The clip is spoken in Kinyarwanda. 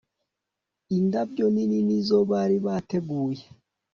indabyo nini nizo bari bateguye